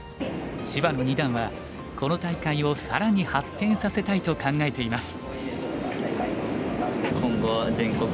芝野二段はこの大会を更に発展させたいと考えています。